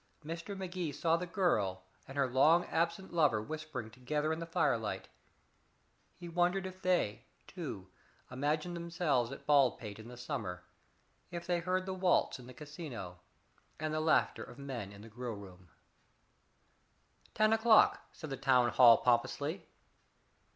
Mr. Magee saw the girl and her long absent lover whispering together in the firelight; he wondered if they, too, imagined themselves at Baldpate in the summer; if they heard the waltz in the casino, and the laughter of men in the grill room. Ten o'clock, said the town hall pompously.